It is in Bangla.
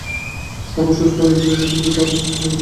তাপস সুস্থ হয়ে ফিরে যায়, কিন্তু এবার ভারসাম্য হারিয়ে ফেলে রাধা।